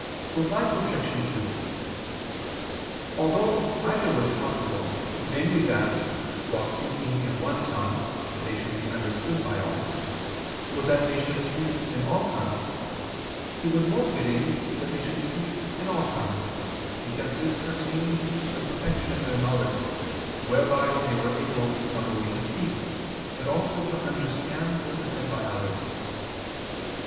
Reply Obj. 2: Although either was possible, namely that, while speaking in one tongue they should be understood by all, or that they should speak in all tongues, it was more fitting that they should speak in all tongues, because this pertained to the perfection of their knowledge, whereby they were able not only to speak, but also to understand what was said by others.